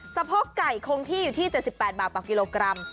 สะโพกไก่คงที่อยู่ที่๗๘บาทต่อกิโลกรัม